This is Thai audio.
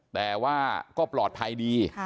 แต่ว่าก็ปลอดภัยดี